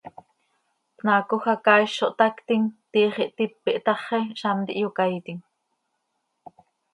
Pnaacoj hacaaiz zo htaactim, tiix ihtíp ihtaxi, zamt ihyocaiitim.